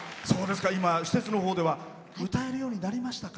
今、施設のほうでは歌えるようになりましたか？